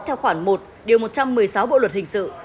theo khoản một điều một trăm một mươi sáu bộ luật hình sự